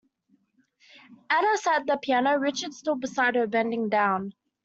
Ada sat at the piano; Richard stood beside her, bending down.